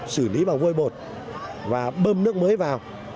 xử lý bào vôi bột và bơm nước mới vào